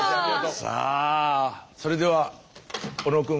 さあそれでは小野くん。